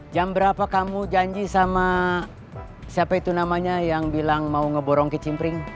jam berapa kamu janji sama siapa itu namanya yang bilang mau ngeborong ke cimpring